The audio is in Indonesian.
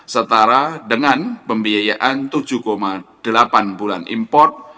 setara dengan pembiayaan tujuh delapan bulan import